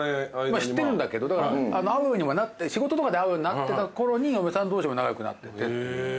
知ってるんだけど会うようにはなって仕事とかで会うようになってたころに嫁さん同士も仲良くなって。